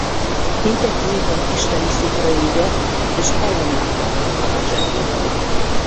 Mindkettőjükben isteni szikra égett és ellenállhatatlan varázserő lakott.